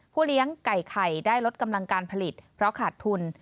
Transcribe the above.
เลี้ยงไก่ไข่ได้ลดกำลังการผลิตเพราะขาดทุน